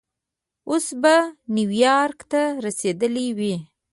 اوس به نیویارک ته رسېدلی وې.